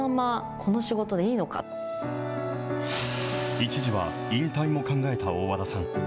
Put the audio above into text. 一時は引退も考えた大和田さん。